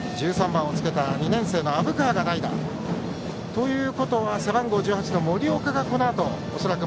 １３番の２年生の虻川が代打。ということは背番号１８の森岡がこのあと恐らく